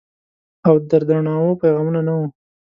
او دردڼاوو پیغامونه، نه وه